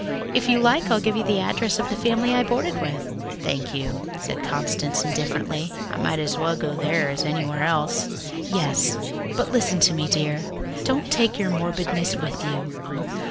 If you like, I'll give you the address of the family I boarded with." "Thank you," said Constance indifferently. "I might as well go there as anywhere else." "Yes, but listen to me, dear. Don't take your morbidness with you.